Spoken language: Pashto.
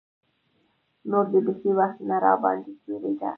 نور نو بيخي وخت نه راباندې تېرېده.